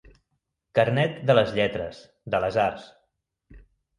Carnet de les lletres, de les arts.